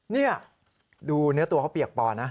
นี่ดูเนื้อตัวเขาเปียกปอนะ